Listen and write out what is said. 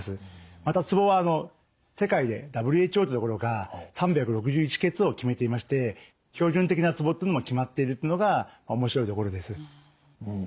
またツボは世界でＷＨＯというところが３６１穴を決めていまして標準的なツボっていうのも決まっているっていうのが面白いところです。